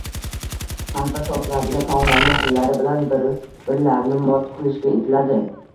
Har biri tortiladigan taomlarning xillari bilan bir-birlarini mot qilishga intiladi